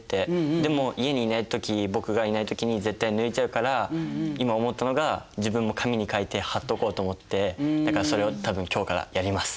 でも家にいない時僕がいない時に絶対抜いちゃうから今思ったのが自分も紙に書いて貼っとこうと思ってだからそれを多分今日からやります。